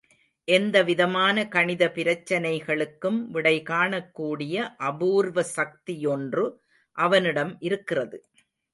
எந்த விதமான கணித பிரச்சனைகளுக்கும் விடைகாணக்கூடிய அபூர்வ சக்தியொன்று அவனிடம் இருக்கிறது.